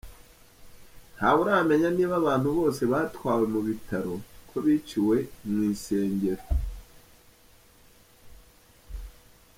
Ntawuramenya nimba abantu bose batwawe mu bitaro, ko biciwe mw'isengero.